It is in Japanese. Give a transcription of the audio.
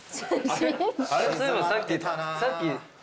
そういえばさっき。